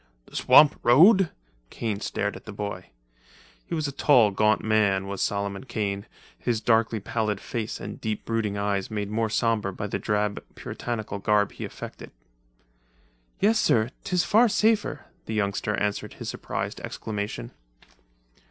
"The swamp road!" Kane stared at the boy. He was a tall, gaunt man, Solomon Kane, his darkly pallid face and deep brooding eyes made more sombre by the drab Puritanical garb he affected. "Yes, sir, 'tis far safer," the youngster answered to his surprised exclamation.